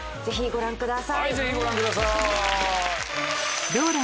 ぜひご覧ください。